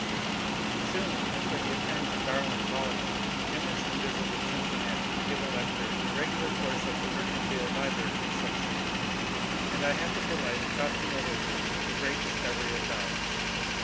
Soon after the appearance of Darwin's volume Emerson visited Cincinnati to give a lecture in the r^^lar course of the Mercantile Library Association, and I had the delight of talking over with him the great discovery of Darwin.